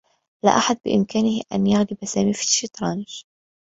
لا أحد بإمكانه أن يغلب سامي في الشّطرنج.